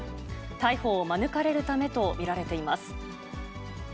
逮捕を免れるためと見られています。